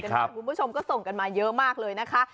คุณผู้ชมก็ส่งกันมาเยอะมากเลยนะคะ